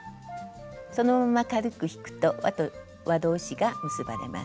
そのまま軽く引くとわ同士が結ばれます。